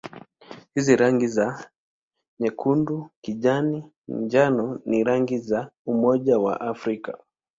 Hizi rangi za nyekundu-kijani-njano ni rangi za Umoja wa Afrika.